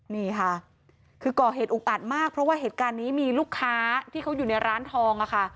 นี่ค่ะคือก่อเหตุอุกอัดมากเพราะว่าเหตุการณ์นี้มีลูกค้าที่เขาอยู่ในร้านทองอะค่ะ